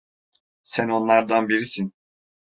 Sen onlardan birisin.